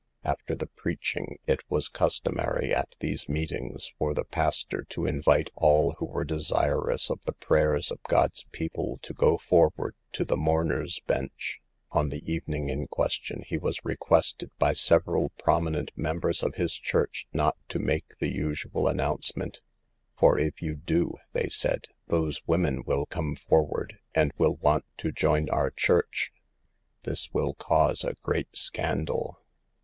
After the preaching it was customary at these meetings for the pastor to invite all who were desirous of the prayers of God's people to go forward to the mourner's bench. On the even ing in question he was requested by several prominent members of his church not to make the usual announcement, "for if you do," they said, "those women will come forward, and will want to joint our church. This will cause a great scandal."